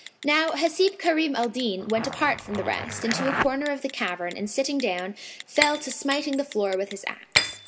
Now Hasib Karim al Din went apart from the rest into a corner of the cavern and sitting down, fell to smiting the floor with his axe.